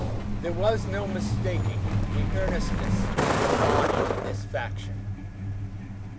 There was no mistaking the earnestness of the body of this faction.